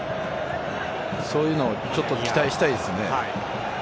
そういうのを期待したいですね。